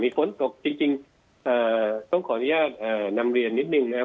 ฝนตกจริงต้องขออนุญาตนำเรียนนิดนึงนะครับ